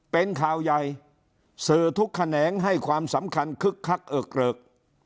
เป็นข่าวใหญ่สื่อทุกแขนงให้ความสำคัญคึกคักเอิกเกริก